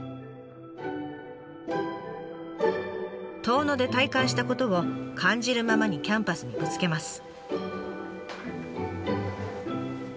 遠野で体感したことを感じるままにキャンバスにぶつけます。